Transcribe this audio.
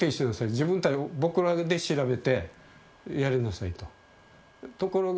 自分達僕らで調べてやりなさいとところが